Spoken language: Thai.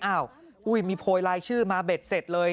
อุ้ยมีโพยลายชื่อมาเบ็ดเสร็จเลย